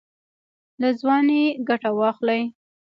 له ځوانۍ ګټه واخلئ